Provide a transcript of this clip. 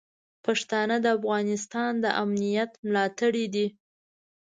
پښتانه د افغانستان د امنیت ملاتړي دي.